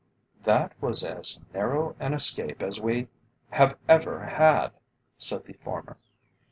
"That was as narrow an escape as we have ever had," said the former.